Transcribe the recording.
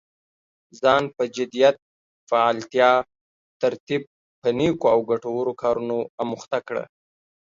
ځان په جديت، فعاليتا، ترتيب په نيکو او ګټورو کارونو اموخته کړه.